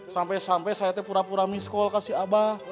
sampai sampai saya tuh pura pura miss call ke si abah